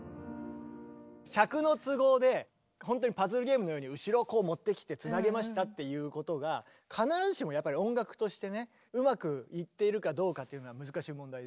尺の都合でパズルゲームのように後ろをこう持ってきてつなげましたっていうことが必ずしもやっぱり音楽としてねうまくいっているかどうかっていうのは難しい問題で。